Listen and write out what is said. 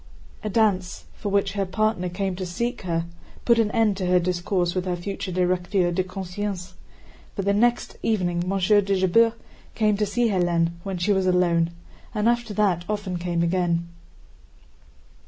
A dance, for which her partner came to seek her, put an end to her discourse with her future directeur de conscience, but the next evening Monsieur de Jobert came to see Hélène when she was alone, and after that often came again.